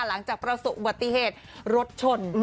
หลังจากประสบอุบัติเหตุรถชน